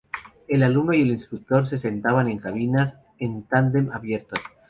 El alumno y el instructor se sentaban en cabinas en tándem abiertas.